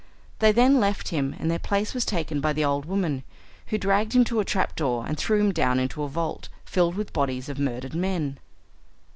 They then left him, and their place was taken by the old woman, who dragged him to a trapdoor and threw him down into a vault filled with the bodies of murdered men.